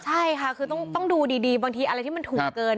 ใช่ค่ะคือต้องดูดีบางทีอะไรที่มันถูกเกิน